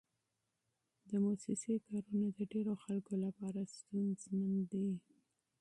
دفتري کارونه د ډېرو خلکو لپاره ستونزمن دي.